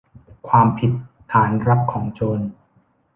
ความผิดฐานรับของโจร